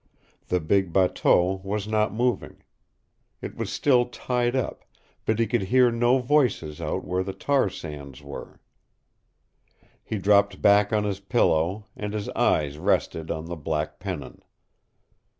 The big bateau was not moving. It was still tied up, but he could hear no voices out where the tar sands were. He dropped back on his pillow, and his eyes rested on the black pennon.